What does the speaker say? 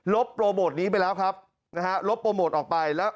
ลบโปรโมทนี้ไปแล้วครับลบโปรโมทออกไป